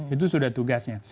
itu sudah tugasnya